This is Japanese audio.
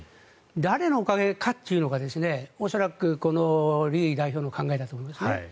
誰のおかげかというのが恐らく、このイ代表の考えだと思いますね。